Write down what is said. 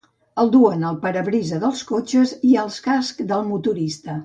El duen al parabrisa dels cotxes i als cascs de motorista.